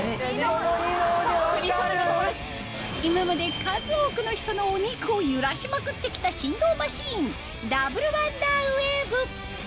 今まで数多くの人のお肉を揺らしまくって来た振動マシンダブルワンダーウェーブ